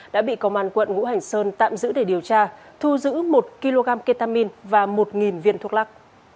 đã bị công an quận ngũ hành sơn tạm giữ để điều tra thu giữ một kg ketamine và một viên thuốc lắc